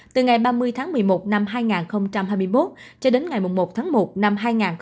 từ ngày ba mươi tháng một mươi một năm hai nghìn hai mươi một cho đến ngày một tháng một năm hai nghìn hai mươi bốn